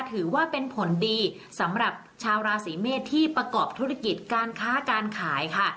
ถือว่าเป็นผลดีสำหรับชาวราศีเมษที่ประกอบธุรกิจการค้าการขายค่ะ